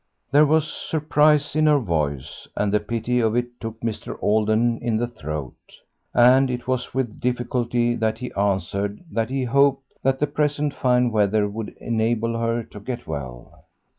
There was surprise in her voice, and the pity of it took Mr. Alden in the throat, and it was with difficulty that he answered that "he hoped that the present fine weather would enable her to get well.